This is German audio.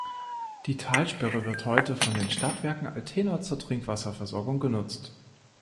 Die Talsperre wird heute von den Stadtwerken Altena zur Trinkwasserversorgung genutzt.